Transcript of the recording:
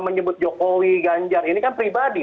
menyebut jokowi ganjar ini kan pribadi